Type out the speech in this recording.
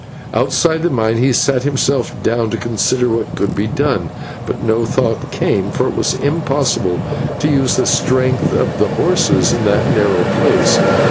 Outside the mine he sat himself down to consider what could be done, but no thought came, for it was impossible to use the strength of the horses in that narrow place.